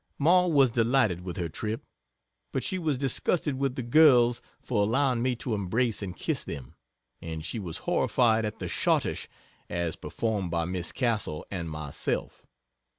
Ma was delighted with her trip, but she was disgusted with the girls for allowing me to embrace and kiss them and she was horrified at the Schottische as performed by Miss Castle and myself.